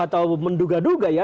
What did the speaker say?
atau menduga duga ya